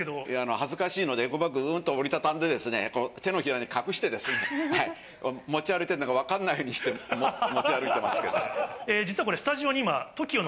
恥ずかしいので、エコバッグうーんと折り畳んで、手のひらに隠してですね、持ち歩いてるのが分からないようにして持ち歩いてますけど。